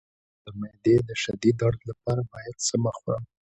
د معدې د شدید درد لپاره باید څه مه خورم؟